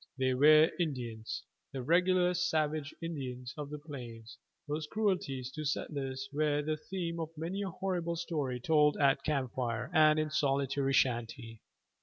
They were Indians, the regular savage Indians of the plains, whose cruelties to settlers were the theme of many a horrible story told at camp fire and in solitary shanty.